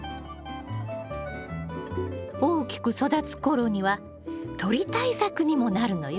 大きく育つ頃には鳥対策にもなるのよ。